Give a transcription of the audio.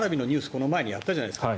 この前にやったじゃないですか。